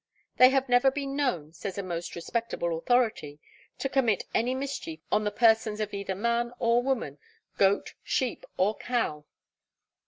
'They have never been known,' says a most respectable authority, 'to commit any mischief on the persons of either man or woman, goat, sheep, or cow.'